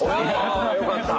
およかった！